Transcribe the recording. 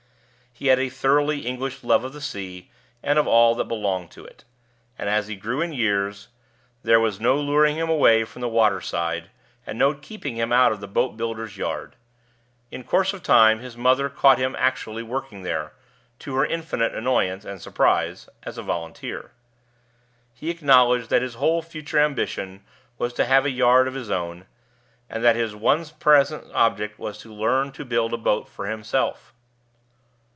He had a thoroughly English love of the sea and of all that belongs to it; and as he grew in years, there was no luring him away from the water side, and no keeping him out of the boat builder's yard. In course of time his mother caught him actually working there, to her infinite annoyance and surprise, as a volunteer. He acknowledged that his whole future ambition was to have a yard of his own, and that his one present object was to learn to build a boat for himself.